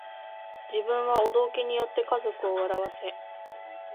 自分はお道化に依って家族を笑わせ